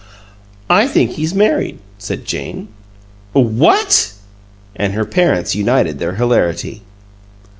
"I think he's married," said Jane. "What!" And her parents united their hilarity.